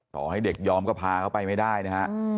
ต่อให้เด็กยอมก็พาเขาไปไม่ได้นะฮะ